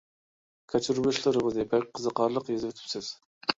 كەچۈرمىشلىرىڭىزنى بەك قىزىقارلىق يېزىۋېتىپسىز.